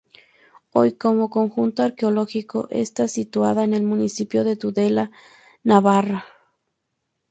Hoy, como conjunto arqueológico, está situada en el municipio de Tudela, Navarra.